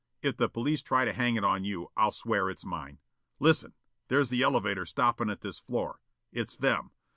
If the police try to hang it on you, I'll swear it's mine. Listen! there's the elevator stoppin' at this floor. It's them.